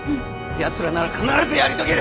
やつらなら必ずやり遂げる！